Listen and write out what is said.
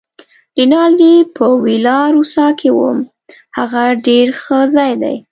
رینالډي: په ویلا روسا کې وم، هغه ډېر ښه ځای دی.